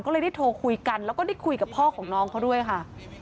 ก็เลยได้โทรคุยกันแล้วก็ได้คุยกับพ่อของน้องเขาด้วยค่ะ